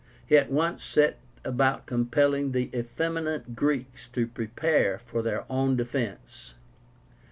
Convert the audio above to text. He at once set about compelling the effeminate Greeks to prepare for their own defence.